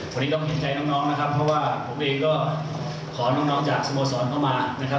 วันนี้ต้องเห็นใจน้องนะครับเพราะว่าผมเองก็ขอน้องจากสโมสรเข้ามานะครับ